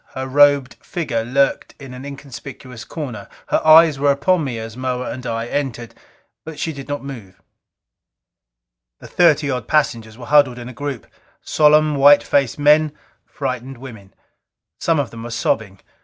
Her robed figure lurked in an inconspicuous corner; her eyes were upon me as Moa and I entered, but she did not move. The thirty odd passengers were huddled in a group. Solemn, white faced men; frightened women. Some of them were sobbing.